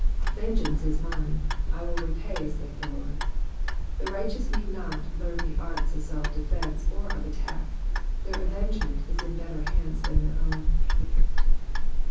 *' Vengeance is mine ; I will repay, saith the Lord.'' The righteous need not learn the arts of self defence or of attack, their avengement is in better hands than their own.